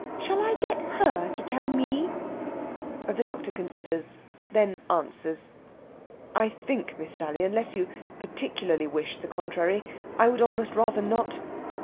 Shall I get her to tell me?" The doctor considers, then answers: "I think, Miss Sally unless you particularly wish the contrary I would almost rather not.